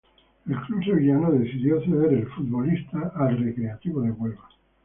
El club sevillano decidió ceder al futbolista al Recreativo de Huelva.